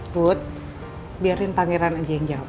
put biarin pangeran aja yang jawab kenapa